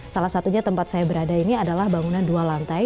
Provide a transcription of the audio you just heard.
salah satunya tempat saya berada ini adalah bangunan dua lantai